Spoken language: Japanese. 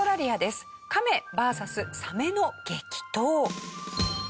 カメＶＳサメの激闘。